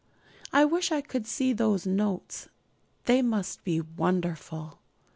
I wish I could see those 'notes;' they must be wonderful.